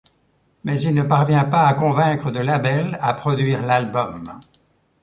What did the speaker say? Mais il ne parvient pas à convaincre de label à produire l'album.